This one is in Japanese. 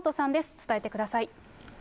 伝えてください。